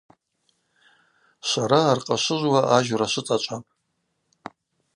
Швара аркъа швыжвуа ажьора швыцӏачӏвапӏ.